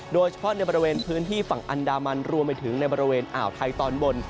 โดยเฉพาะในบริเวณพื้นที่ฝั่งอันดามันรวมไปถึงในบริเวณอ่าวไทยตอนบน